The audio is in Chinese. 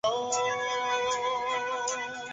清末民初学者。